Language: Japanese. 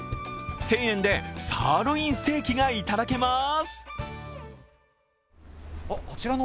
１０００円でサーロインステーキがいただけます。